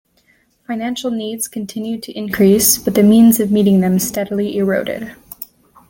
Financial needs continued to increase, but the means of meeting them steadily eroded.